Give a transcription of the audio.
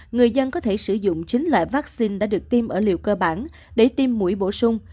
người dân có thể sử dụng chính loại vaccine đã được tiêm ở liều cơ bản để tiêm mũi bổ sung